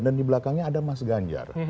dan di belakangnya ada mas ganjar